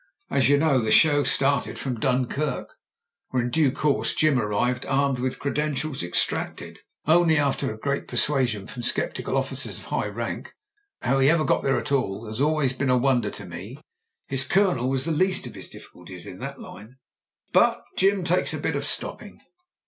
As you know, the show started from Dunkirk, where in due course Jim arrived, armed with credentials extracted I40 MEN, WOMEN AND GUNS only after great persuasion from sceptical officers of high rank. How he ever got there at all has always been a wonder to me : his Colonel was the least of his difficulties in that line. But Jim takes a bit of stop ping.